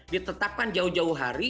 ditetapkan jauh jauh hari